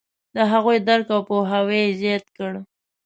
د هغوی درک او پوهاوی یې زیات کړ.